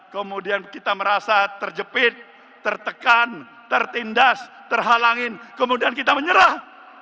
kemudian kita merasa terjepit tertekan tertindas terhalangin kemudian kita menyerah